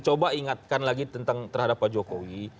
coba ingatkan lagi tentang terhadap pak jokowi